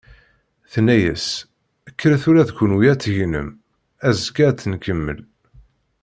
Tenna-as: "Kkret ula d kunwi ad tegnem, azekka ad tt-nkemmel."